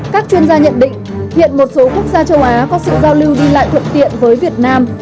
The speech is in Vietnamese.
các chuyên gia nhận định hiện một số quốc gia châu á có sự giao lưu đi lại thuận tiện với việt nam